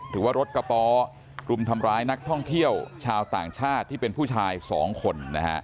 หรือว่ารถกระป๋อกลุ่มทำร้ายนักท่องเที่ยวชาวต่างชาติที่เป็นผู้ชาย๒คน